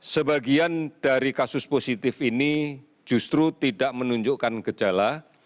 sebagian dari kasus positif ini justru tidak menunjukkan gejala